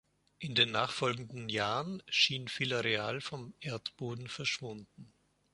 In den nachfolgenden Jahren schien Villarreal vom Erdboden verschwunden.